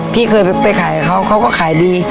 พี่เคยไปขายเขาเขาก็ขายดี